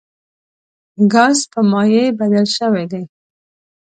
ګاز په مایع بدل شوی دی.